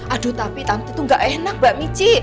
aduh tapi tante tuh gak enak mbak michi